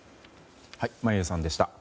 眞家さんでした。